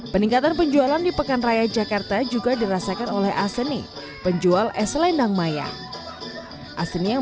peningkatan penjualan di pekan raya jakarta juga dirasakan oleh aseni penjual es selendang maya aseni yang